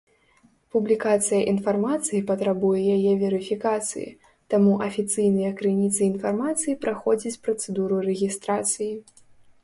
Публікацыя інфармацыі патрабуе яе верыфікацыі, таму афіцыйныя крыніцы інфармацыі праходзяць працэдуру рэгістрацыі.